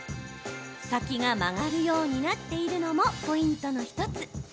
先が曲がるようになっているのもポイントの１つ。